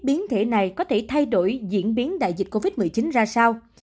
biến thể này có thể thay đổi diễn biến đại dịch covid một mươi chín ra sao